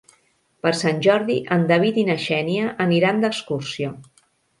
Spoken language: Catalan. Per Sant Jordi en David i na Xènia aniran d'excursió.